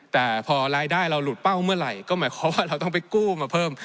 แต่พอรายได้เราหลุดเป้าเมื่อไหร่ก็หมายความว่าเราต้องไปกู้มาเพิ่ม